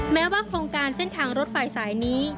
แม้ว่าโครงการเส้นทางรถไฟสายนี้